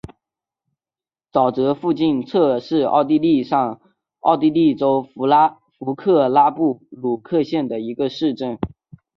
沼泽附近策尔是奥地利上奥地利州弗克拉布鲁克县的一个市镇。